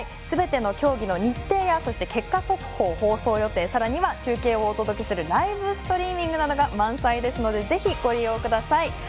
すべての競技の日程や結果速報、放送予定さらには中継をお届けするライブストリーミングなどが満載ですのでぜひ、ご利用ください。